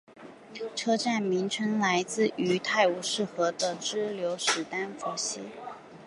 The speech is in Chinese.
车站名称来自于泰晤士河的支流史丹佛溪。